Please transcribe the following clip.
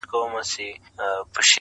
تر شهپر یې لاندي کړی سمه غر دی.!